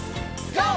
ＧＯ！